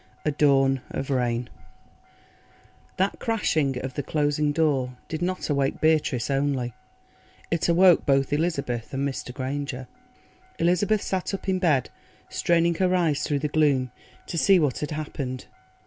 A DAWN OF RAIN That crash of the closing door did not awake Beatrice only; it awoke both Elizabeth and Mr. Granger. Elizabeth sat up in bed straining her eyes through the gloom to see what had happened.